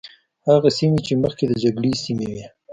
هغه سیمې چې مخکې د جګړې سیمې وي.